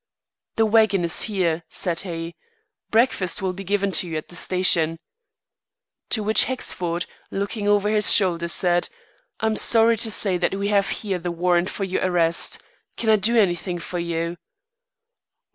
"The waggon is here," said he. "Breakfast will be given you at the station." To which Hexford, looking over his shoulder, added: "I'm sorry to say that we have here the warrant for your arrest. Can I do anything for you?"